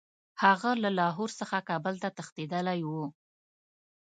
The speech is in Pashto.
هغه له لاهور څخه کابل ته تښتېتدلی وو.